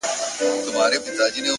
راسره جانانه ;